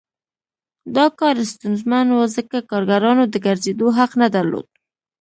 دا کار ستونزمن و ځکه کارګرانو د ګرځېدو حق نه درلود